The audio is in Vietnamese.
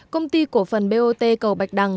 công ty cổ phần bot cầu bạch đằng